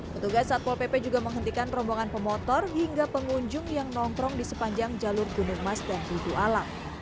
petugas satpol pp juga menghentikan rombongan pemotor hingga pengunjung yang nongkrong di sepanjang jalur gunung mas dan hidu alam